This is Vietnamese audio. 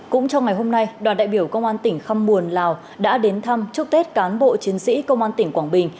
cũng trong ngày hôm nay đoàn đại biểu công an tỉnh khăm muồn lào đã đến thăm chúc tết cán bộ chiến sĩ công an tỉnh quảng bình